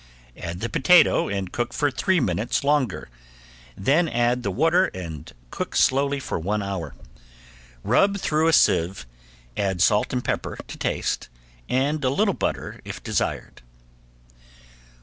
Add the potato and cook for three minutes longer, then add the water and cook slowly for one hour. Rub through a sieve, add salt and pepper to taste, and a little butter if desired.